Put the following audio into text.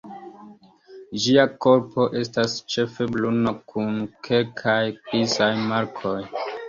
Ĝia korpo estas ĉefe bruna kun kelkaj grizaj markoj.